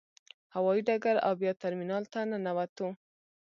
هوايي ډګر او بیا ترمینال ته ننوتو.